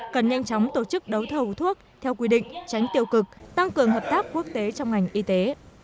cần nhanh chóng tổ chức đấu thầu thuốc theo quy định tránh tiêu cực tăng cường hợp tác quốc tế trong ngành y tế